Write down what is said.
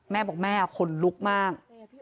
แม่บอกแม่ขนลุกมาก